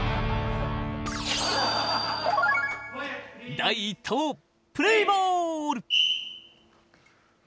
第１投、プレーボール！